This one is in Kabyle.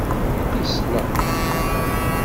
Yesla.